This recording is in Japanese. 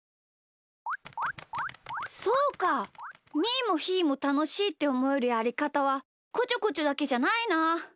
ーもひーもたのしいっておもえるやりかたはこちょこちょだけじゃないな。